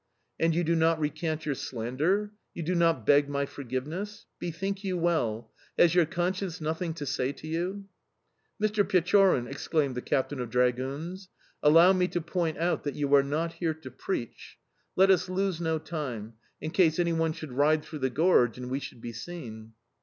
"And you do not recant your slander? You do not beg my forgiveness?... Bethink you well: has your conscience nothing to say to you?" "Mr. Pechorin!" exclaimed the captain of dragoons. "Allow me to point out that you are not here to preach... Let us lose no time, in case anyone should ride through the gorge and we should be seen."